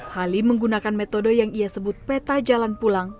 halim menggunakan metode yang ia sebut peta jalan pulang